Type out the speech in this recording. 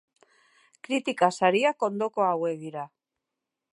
Kritika Sariak ondoko hauek dira.